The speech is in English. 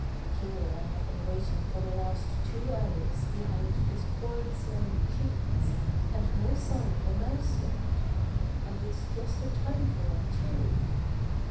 Here I have been waiting for the last two hours behind this horrid smelling cheese, and no sign of a mouse yet. And it's just the time for them, too.